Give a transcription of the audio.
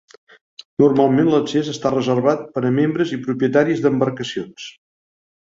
Normalment l'accés està reservat per a membres i propietaris d'embarcacions.